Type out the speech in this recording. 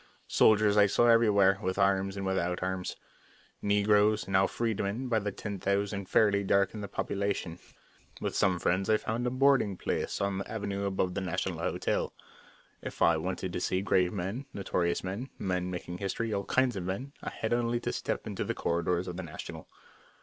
Soldiers I saw everywhere, with arms and without arms. Negroes, now freedmen, by the ten thousand fairly darkened the population. With some friends I found a boarding place on the avenue above the National Hotel. If I wanted to see great men, notorious men, men making history, all kinds of men, I had only to step into the corridors of the National.